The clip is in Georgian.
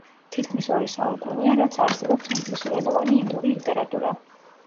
თითქმის ორი საუკუნეა, რაც არსებობს ინგლისურენოვანი ინდური ლიტერატურა.